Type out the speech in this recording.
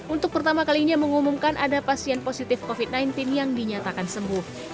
untuk pertama kalinya mengumumkan ada pasien positif covid sembilan belas yang dinyatakan sembuh